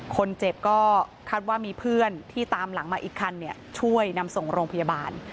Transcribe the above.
คนเจ็บก็คาดว่ามีเพื่อนที่ตามหลังมาอีกคันช่วยนำส่งโรงพยาบาล